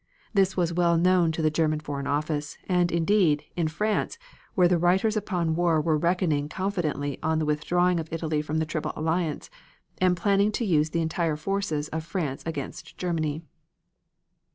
This was well known in the German foreign office, and, indeed, in France where the writers upon war were reckoning confidently on the withdrawing of Italy from the Triple Alliance, and planning to use the entire forces of France against Germany.